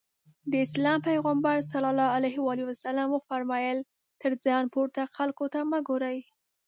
د اسلام پيغمبر ص وفرمايل تر ځان پورته خلکو ته مه ګورئ.